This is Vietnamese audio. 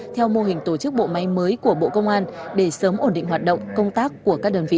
theo mô hình tổ chức bộ máy mới của bộ công an để sớm ổn định hoạt động công tác của các đơn vị